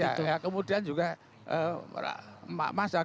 iya kemudian juga mas